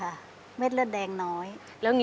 ดูเขาเล็ดดมชมเล่นด้วยใจเปิดเลิศ